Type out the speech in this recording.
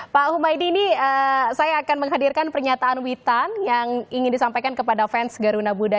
pak humaydi ini saya akan menghadirkan pernyataan witan yang ingin disampaikan kepada fans garuna buddha